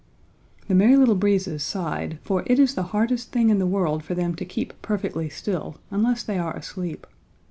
The Merry Little Breezes sighed, for it is the hardest thing in the world for them to keep perfectly still unless they are asleep.